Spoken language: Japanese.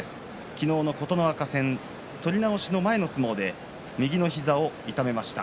昨日の琴ノ若戦、取り直し前の相撲で右の膝を痛めました。